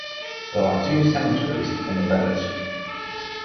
There are two cemeteries in the village.